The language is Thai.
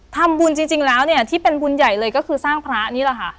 จริงแล้วเนี่ยที่เป็นบุญใหญ่เลยก็คือสร้างพระนี่แหละค่ะ